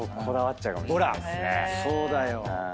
そうだよ。